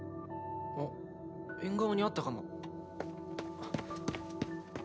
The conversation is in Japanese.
あ縁側にあったかも。